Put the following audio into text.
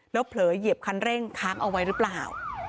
แล้วเผลอเหยียบคันเร่งค้างเอาไว้หรือเปล่า